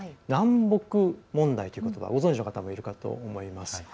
南北問題ということばご存じの方もいるかと思います。